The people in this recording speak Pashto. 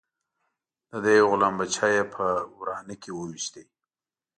د ده یو غلام بچه یې په ورانه کې وويشت.